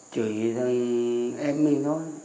chửi em mình thôi